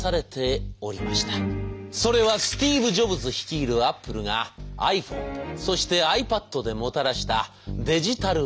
それはスティーブ・ジョブズ率いるアップルがｉＰｈｏｎｅそしてｉＰａｄでもたらしたデジタル革命。